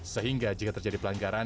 sehingga jika terjadi pelanggaran